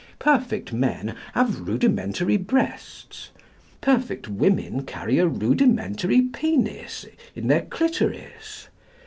Perfect men have rudimentary breasts. Perfect women carry a rudimentary penis in their clitoris.